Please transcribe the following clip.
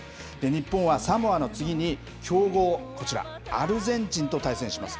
日本はサモアの次に強豪、こちらアルゼンチンと対戦します。